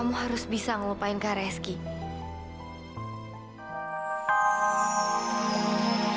coba maksima saja dapat membawa hasta ke rumah kami